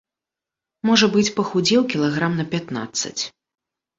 Можа быць, пахудзеў кілаграм на пятнаццаць.